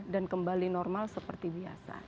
dan kembali normal seperti biasa